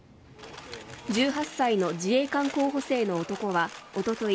１８歳の自衛官候補生の男はおととい